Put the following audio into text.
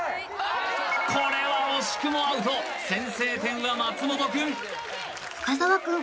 これは惜しくもアウト先制点は松本くん深澤くん